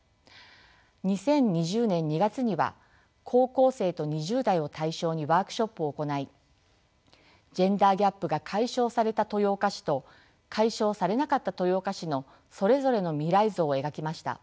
２０２０年２月には高校生と２０代を対象にワークショップを行いジェンダーギャップが解消された豊岡市と解消されなかった豊岡市のそれぞれの未来図を描きました。